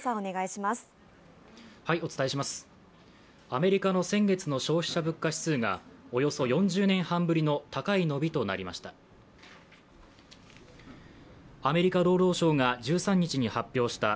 アメリカの先月の消費者物価指数がおよそ４０年半ぶりの高い伸びとなりました。